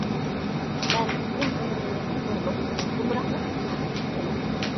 مەن پۈتۈن ئۆمرۈمنى كۇپۇرلۇق، گۇمراھلىق ئىچىدە ئۆتكۈزۈپتىمەن.